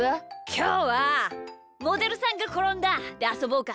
きょうは「モデルさんがころんだ」であそぼうか。